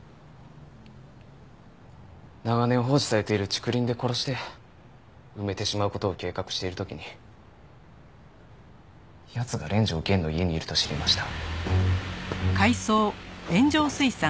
長年放置されている竹林で殺して埋めてしまう事を計画している時に奴が連城源の家にいると知りました。